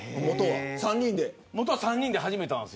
元は３人で始めたんです。